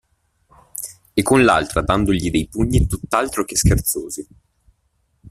E con l'altra dandogli dei pugni tutt'altro che scherzosi.